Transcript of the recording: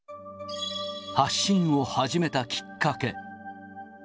発信を始めたきっかけ。